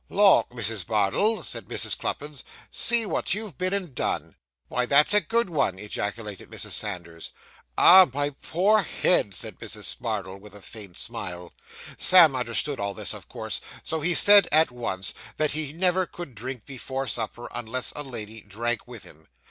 'Lauk, Mrs. Bardell,' said Mrs. Cluppins, 'see what you've been and done!' 'Well, that is a good one!' ejaculated Mrs. Sanders. 'Ah, my poor head!' said Mrs. Bardell, with a faint smile. Sam understood all this, of course, so he said at once, that he never could drink before supper, unless a lady drank with him.